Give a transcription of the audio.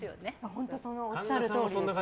おっしゃるとおりです。